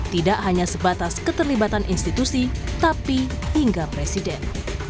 tidak hanya sebatas keterlibatan institusi tapi hingga presiden